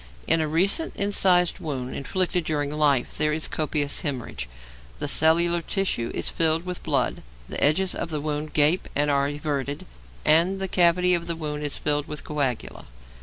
In a recent incised wound inflicted during life there is copious hæmorrhage, the cellular tissue is filled with blood, the edges of the wound gape and are everted, and the cavity of the wound is filled with coagula.